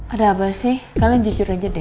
ada apa sih kalian jujur aja deh